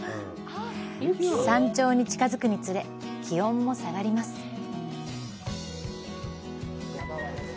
山頂に近づくにつれ、気温も下がります。